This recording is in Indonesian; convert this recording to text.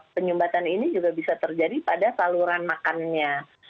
penyumbatan ini juga bisa terjadi pada saluran makannya